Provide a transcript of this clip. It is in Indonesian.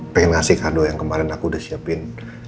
pengen ngasih kado yang kemarin aku udah siapin